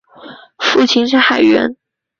父亲是海员。